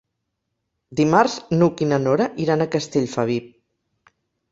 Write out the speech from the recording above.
Dimarts n'Hug i na Nora iran a Castellfabib.